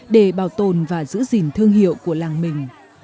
để bảo tồn và giữ gìn thương hiệu của làng mình